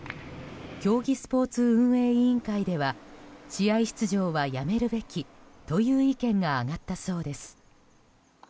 競技スポーツ運営委員会では試合出場はやめるべきという意見が上がったそうです。